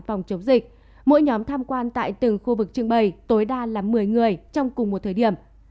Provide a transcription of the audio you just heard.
phòng chống dịch mỗi nhóm tham quan tại từng khu vực trưng bày tối đa là một mươi người trong cùng một thời điểm